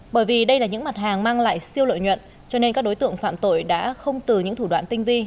bởi vì đây là những mặt hàng mang lại siêu lợi nhuận cho nên các đối tượng phạm tội đã không từ những thủ đoạn tinh vi